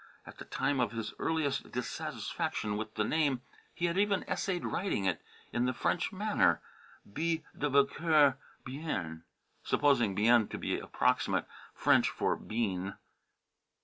At the time of his earliest dissatisfaction with the name he had even essayed writing it in the French manner "B. de Boncoeur Bien" supposing "Bien" to be approximate French for "Bean."